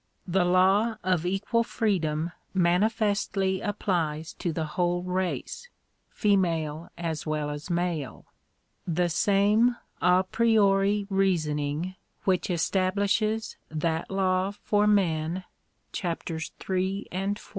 The law of equal freedom manifestly applies to the whole race — female as well as male. The same a priori reasoning which establishes that law for men (Chaps. III. and IV.)